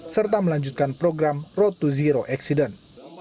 serta melanjutkan program road to zero accident